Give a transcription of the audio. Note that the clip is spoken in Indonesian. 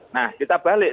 nah kita balik